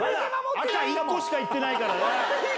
赤１個しか行ってないからな。